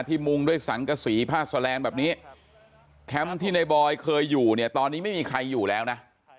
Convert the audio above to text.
มุงด้วยสังกษีผ้าสแลนด์แบบนี้แคมป์ที่ในบอยเคยอยู่เนี่ยตอนนี้ไม่มีใครอยู่แล้วนะ